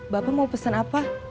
bapak mau pesen apa